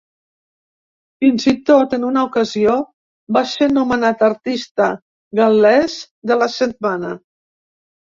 Fins i tot, en una ocasió, va ser nomenat artista gal·lès de la setmana.